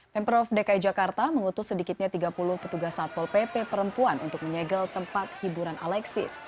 pemprov dki jakarta mengutus sedikitnya tiga puluh petugas satpol pp perempuan untuk menyegel tempat hiburan alexis